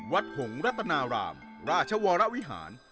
หงรัตนารามราชวรวิหาร